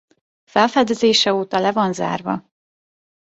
Felfedezése óta le van zárva.